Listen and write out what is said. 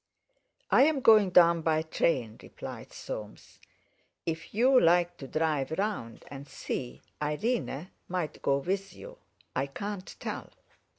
"I am going down by train," replied Soames. "If you like to drive round and see, Irene might go with you, I can't tell."